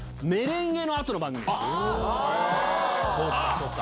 そうか。